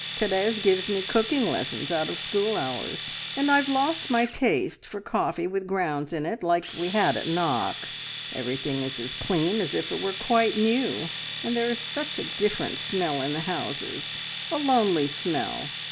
"`Therese gives me cooking lessons out of school hours, and I've lost my taste for coffee with grounds in it, like we had at Knock. Everything is as clean as if it were quite new, and there is such a different smell in the houses a lonely smell!